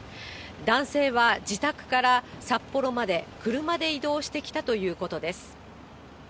男性は自宅から札幌まで車で移動してきたということです。